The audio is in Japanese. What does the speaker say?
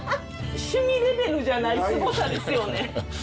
趣味レベルじゃないスゴさですよね。